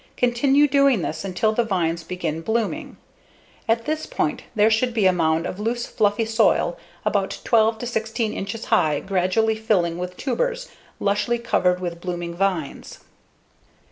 Continue doing this until the vines begin blooming. At that point there should be a mound of loose, fluffy soil about 12 to 16 inches high gradually filling with tubers lushly covered with blooming vines.